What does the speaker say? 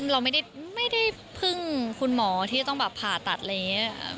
เราไม่ได้พึ่งคุณหมอที่ต้องแบบผ่าตัดอะไรอย่างนี้